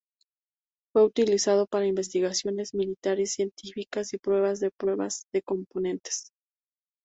Fue utilizado para investigaciones militares y científicas y pruebas de pruebas de componentes.